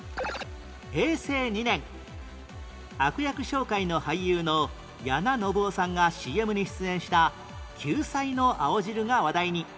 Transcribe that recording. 平成２年悪役商会の俳優の八名信夫さんが ＣＭ に出演したキューサイの青汁が話題に